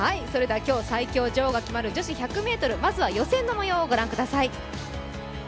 今日最強女王が決まる女子１００ｍまずは予選のもようをご覧ください。